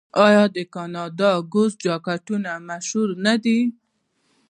آیا د کاناډا ګوز جاکټونه مشهور نه دي؟